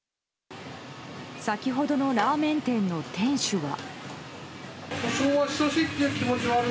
先ほどのラーメン店の店主は。